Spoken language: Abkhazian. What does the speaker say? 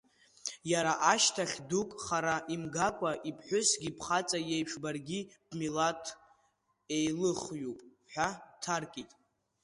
Иара ишьҭахь дук хара имгакәа иԥҳәысгьы бхаҵа иеиԥш баргьы бмилаҭеилыхҩуп ҳәа дҭаркит.